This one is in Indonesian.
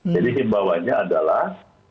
jadi yang bawanya adalah